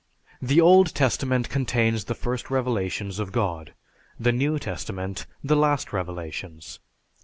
The Old Testament contains the first revelations of God; the New Testament, the last revelations.